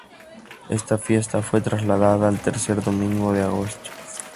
Esta fiesta fue trasladada al Tercer Domingo de agosto.